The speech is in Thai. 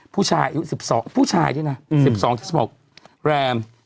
ผู้ชายอายุ๑๒ที่๑๖แรม